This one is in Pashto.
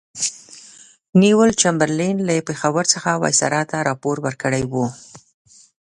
نیویل چمبرلین له پېښور څخه وایسرا ته راپور ورکړی وو.